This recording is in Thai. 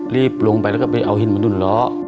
รีบลงไปแล้วก็ไปเอาหินมาหนุนล้อ